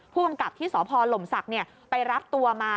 ผู้กำกับที่สพหลมศักดิ์ไปรับตัวมา